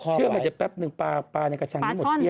เชื่อมันจะแป๊บหนึ่งปลาในกระชังนี่หมดเที่ยงเลย